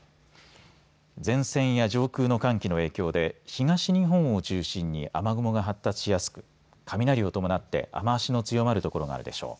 前線や上空の寒気の影響で東日本を中心に雨雲が発達しやすく雷を伴って雨足の強まる所があるでしょう。